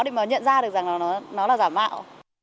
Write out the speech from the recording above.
để mà nhận ra được rằng là nó là giả mạo